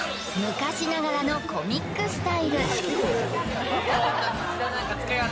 昔ながらのコミックスタイル